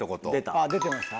ああ出てました？